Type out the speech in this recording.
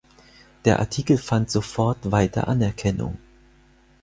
Der Artikel fand sofort weite Anerkennung.